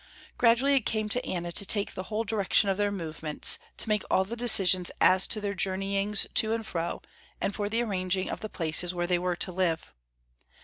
Gradually it came to Anna to take the whole direction of their movements, to make all the decisions as to their journeyings to and fro, and for the arranging of the places where they were to live.